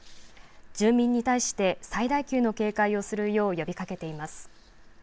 住民に対して最大級の警戒をするよう呼びかけています。